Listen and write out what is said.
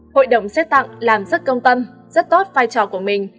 hội đồng xét tặng làm rất công tâm rất tốt vai trò của mình